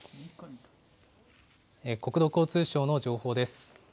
国土交通省の情報です。